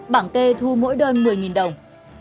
bảng kê thu mỗi đơn một mươi đồng